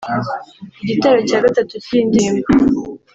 Igitero cya gatatu cy’iyi ndirimbo